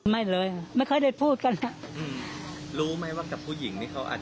หาดูใจกัน